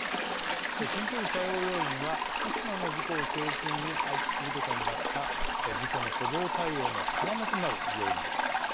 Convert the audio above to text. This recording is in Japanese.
緊急時対応要員は福島の事故を教訓に配置することになった事故の初動対応の要となる要員です。